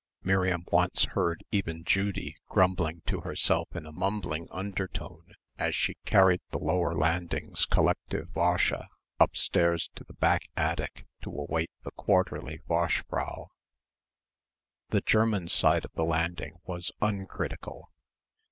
Miriam once heard even Judy grumbling to herself in a mumbling undertone as she carried the lower landing's collective "wäsche" upstairs to the back attic to await the quarterly waschfrau. The German side of the landing was uncritical.